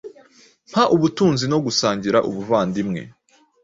Mpa ubutunzi no gusangira ubuvandimwe